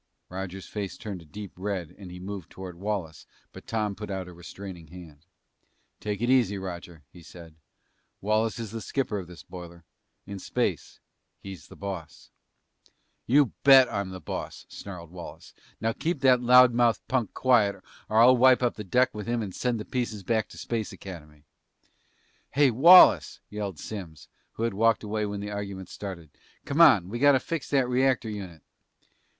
"_ Roger's face turned a deep red and he moved toward Wallace, but Tom put out a restraining hand. "Take it easy, Roger," he said. "Wallace is the skipper of this boiler. In space he's the boss." "You bet I'm the boss," snarled Wallace. "Now keep that loud mouthed punk quiet, or I'll wipe up the deck with him and send the pieces back to Space Academy!" "Hey, Wallace," yelled Simms, who had walked away when the argument started. "Come on. We gotta fix that reactor unit!"